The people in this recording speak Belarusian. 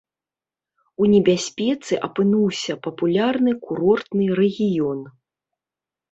У небяспецы апынуўся папулярны курортны рэгіён.